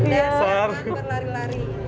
dan jangan berlari lari